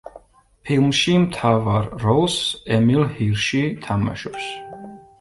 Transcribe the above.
ფილმში მთავარ როლს ემილ ჰირში თამაშობს.